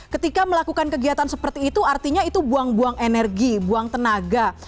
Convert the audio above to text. ketika melakukan kegiatan seperti itu artinya itu buang buang energi buang tenaga